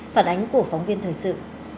phản ánh của phóng viên thời sự